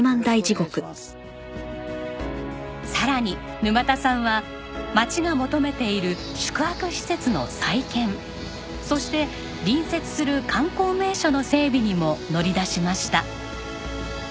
さらに沼田さんは町が求めている宿泊施設の再建そして隣接する観光名所の整備にも乗りだしました。